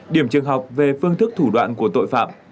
điểm trường học về phương thức thủ đoạn của tội phạm